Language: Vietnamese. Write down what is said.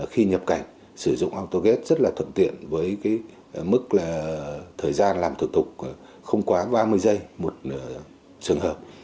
khi nhập cảnh sử dụng autogate rất là thuận tiện với mức thời gian làm thủ tục không quá ba mươi giây một trường hợp